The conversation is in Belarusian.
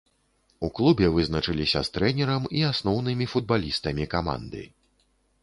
У клубе вызначыліся з трэнерам і асноўнымі футбалістамі каманды.